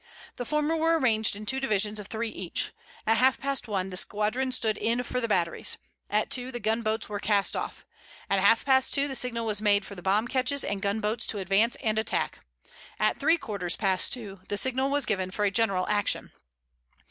The former were arranged in two divisions of three each. At half past one the squadron stood in for the batteries. At two, the gun boats were cast off. At half past two, signal was made for the bomb ketches and gun boats to advance and attack. At three quarters past two, the signal was given for a general action.